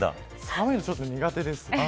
寒いのちょっと苦手です。